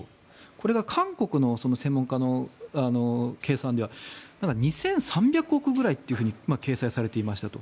これが韓国の専門家の計算では２３００億円ぐらいと掲載されていましたと。